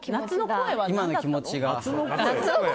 今の気持ちが。